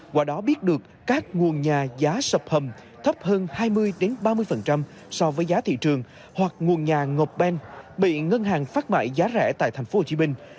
qua đó biết được các nguồn nhà giá sập hầm thấp hơn hai mươi ba mươi so với giá thị trường hoặc nguồn nhà ngộp bên bị ngân hàng phát mại giá rẻ tại thành phố hồ chí minh